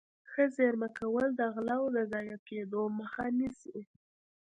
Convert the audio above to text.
ښه زيرمه کول د غلو د ضايع کېدو مخه نيسي.